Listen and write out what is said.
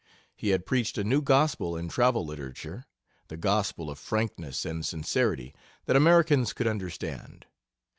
He had preached a new gospel in travel literature, the gospel of frankness and sincerity that Americans could understand.